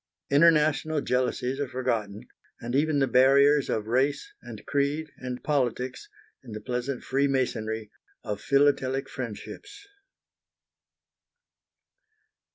International jealousies are forgotten, and even the barriers of race, and creed, and politics, in the pleasant freemasonry of philatelic friendships.